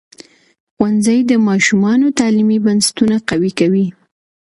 ښوونځی د ماشومانو تعلیمي بنسټونه قوي کوي.